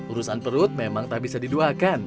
urusan perut memang tak bisa didoakan